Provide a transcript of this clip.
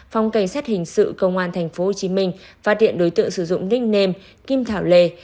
phòng cảnh sát hình sự công an tp hcm phát hiện đối tượng sử dụng nicknam kim thảo lê